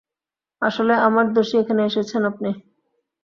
আসলে, আমার দোষেই এখানে এসেছেন আপনি।